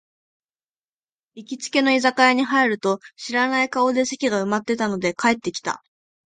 行きつけの居酒屋に入ると、知らない顔で席が埋まってたので帰ってきた